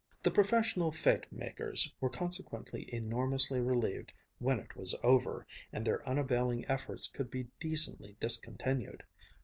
The professional fête makers were consequently enormously relieved when it was over and their unavailing efforts could be decently discontinued.